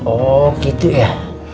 oh gitu ya